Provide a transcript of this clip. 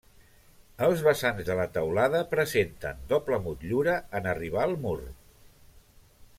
Els vessants de la teulada presenten doble motllura en arribar al mur.